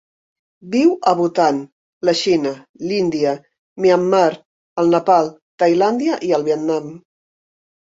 Viu a Bhutan, la Xina, l'Índia, Myanmar, el Nepal, Tailàndia i el Vietnam.